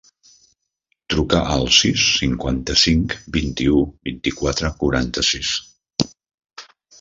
Truca al sis, cinquanta-cinc, vint-i-u, vint-i-quatre, quaranta-sis.